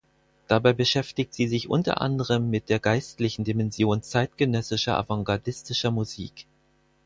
Dabei beschäftigt sie sich unter anderem mit der geistlichen Dimension zeitgenössischer avantgardistischer Musik.